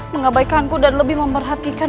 mengabaikanku dan lebih memperhatikan